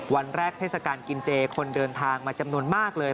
วันแรกเทศกาลกินเจคนเดินทางมาจำนวนมากเลย